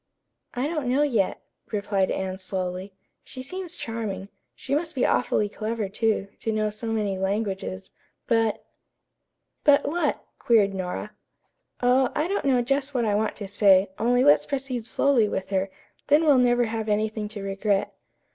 "I don't know yet," replied Anne slowly. "She seems charming. She must be awfully clever, too, to know so many languages, but " "But what?" queried Nora. "Oh, I don't know just what I want to say, only let's proceed slowly with her, then we'll never have anything to regret."